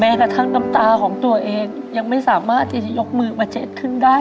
กระทั่งน้ำตาของตัวเองยังไม่สามารถที่จะยกมือมาเจ็ดครึ่งได้